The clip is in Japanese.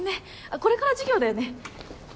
これから授業だよね